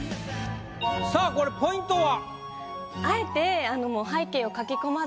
さぁこれポイントは？